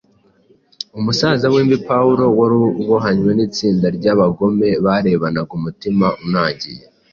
umusaza w’imvi Pawulo wari ubohanywe n’itsinda ry’abagome barebanaga umutima unangiye,